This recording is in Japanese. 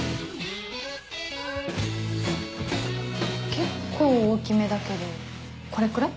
結構大きめだけどこれくらい？